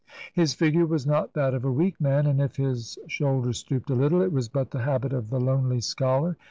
His figure was not that of a weak man, and if his shoul* ders stooped a little, it was but the habit of the lonely scholar.